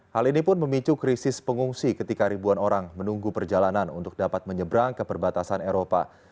hal ini pun memicu krisis pengungsi ketika ribuan orang menunggu perjalanan untuk dapat menyebrang ke perbatasan eropa